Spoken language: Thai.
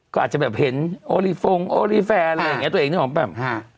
ก็อาจจะเห็นโอลีฟงโอลีแฟนตัวเองนึกออกมั้ย